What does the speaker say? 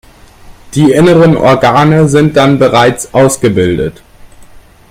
Die inneren Organe sind dann bereits ausgebildet.